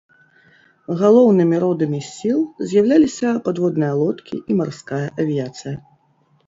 Галоўнымі родамі сіл з'яўляліся падводныя лодкі і марская авіяцыя.